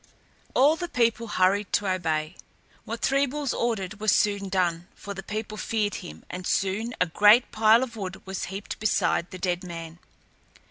All the people hurried to obey. What Three Bulls ordered was soon done, for the people feared him, and soon a great pile of wood was heaped beside the dead man.